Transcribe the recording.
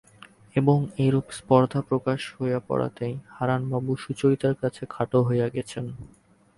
এবং এইরূপ স্পর্ধা প্রকাশ হইয়া পড়াতেই হারানবাবু সুচরিতার কাছে খাটো হইয়া গেছেন।